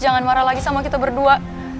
jangan marah lagi sama kita berdua